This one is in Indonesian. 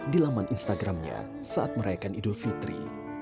di laman instagramnya saat merayakan idul fitri